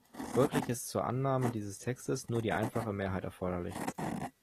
Folglich ist zur Annahme dieses Textes nur die einfache Mehrheit erforderlich.